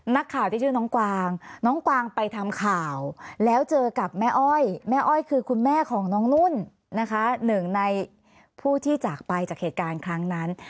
นักข่าวที่ชื่อน้องกวางน้องกวางไปทำข่าวแล้วเจอกับแม่อ้อยแม่อ้อยคือคุณแม่ของน้องนุ่นนะคะหนึ่งในผู้ที่จากไปจากเหตุการณ์ครั้งนั้น